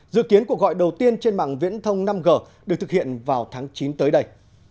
dự kiến cuộc gọi đầu tiên trên mạng viễn thông năm g được thực hiện vào tháng chín tới đây